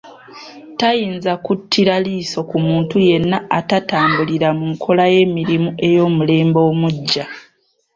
Tayinza kuttira liiso ku muntu yenna atatambulira mu nkola y'emirimu ey'omulembe omuggya